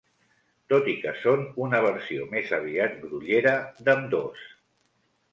Tot i que són una versió més aviat grollera d'ambdós.